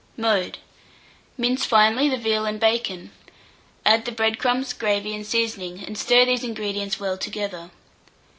Mode. Mince finely the veal and bacon; add the bread crumbs, gravy, and seasoning, and stir these ingredients well together.